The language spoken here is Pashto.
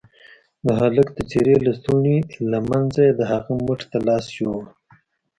د هلك د څيرې لستوڼي له منځه يې د هغه مټ ته لاس يووړ.